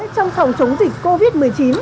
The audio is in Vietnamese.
trong sòng chống dịch covid một mươi chín